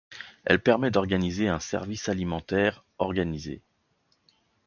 Elle permet d'organiser un service alimentaire organisé.